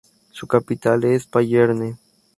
Su capital es Payerne.